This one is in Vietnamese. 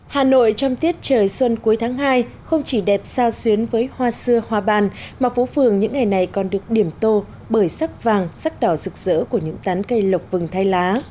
hà nội trong tiết trời xuân cuối tháng hai không chỉ đẹp sao xuyến với hoa xưa hoa bàn mà phố phường những ngày này còn được điểm tô bởi sắc vàng sắc đỏ rực rỡ của những tán cây lộc vừng thay lá